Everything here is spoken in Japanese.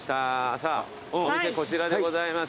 さぁお店こちらでございます。